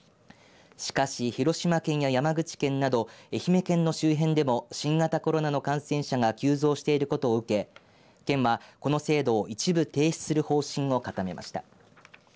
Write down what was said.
しかし、広島県や山口県など愛媛県の周辺でも新型コロナの感染者が急増していることを受け、県はこの制度を一部停止する方針を固めました。